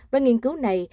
với nghiên cứu này